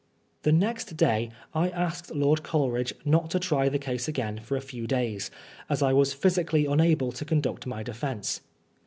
The next day I asked Lord Coleridge not to try the case again for a few days, as I was physically unable to conduct my defence.